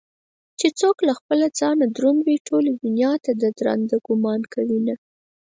چې څوك له خپله ځانه دروندوي ټولې دنياته ددراندۀ ګومان كوينه